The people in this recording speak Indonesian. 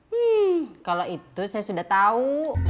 wih kalau itu saya sudah tahu